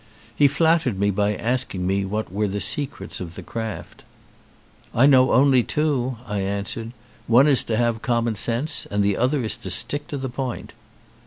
He flattered me by asking me what were the secrets of the craft. "I know only two," I answered. "One is to have common sense and the other is to stick to the point."